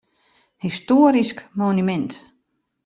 Histoarysk monumint.